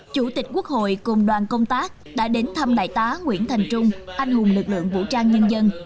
chủ tịch quốc hội cùng đoàn công tác đã đến thăm đại tá nguyễn thành trung anh hùng lực lượng vũ trang nhân dân